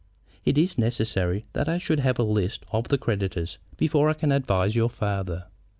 It is necessary that I should have a list of the creditors before I can advise your father."